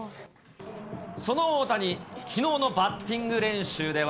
その大谷、きのうのバッティング練習では。